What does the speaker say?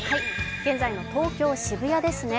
現在の東京・渋谷ですね。